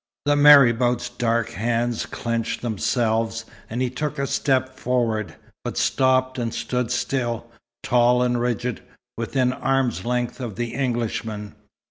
The marabout's dark hands clenched themselves, and he took a step forward, but stopped and stood still, tall and rigid, within arm's length of the Englishman.